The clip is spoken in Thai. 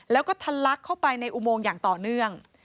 แล้วก็ทะลักเข้าไปในอุโมงอย่างต่อเนื่อง